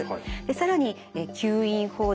更に吸引法です。